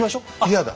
嫌だ。